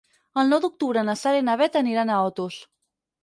El nou d'octubre na Sara i na Bet aniran a Otos.